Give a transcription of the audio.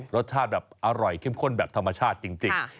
รสชาติแบบอร่อยเข้มข้นแบบธรรมชาติจริง